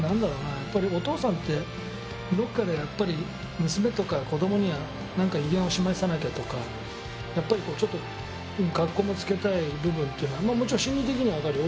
やっぱりお父さんってどっかで娘とか子供には何か威厳を示さなきゃとかちょっとカッコもつけたい部分っていうのはもちろん心理的には分かるよ